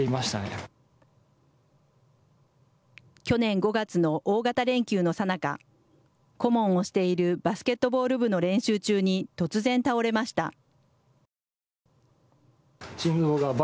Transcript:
去年５月の大型連休のさなか顧問をしているバスケットボール部の練習中に突然、倒れました。